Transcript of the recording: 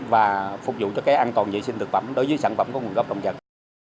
và phục vụ cho cái an toàn vệ sinh thực phẩm đối với sản phẩm của nguồn gốc nông dân